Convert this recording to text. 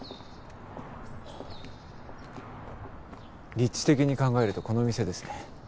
立地的に考えるとこの店ですね。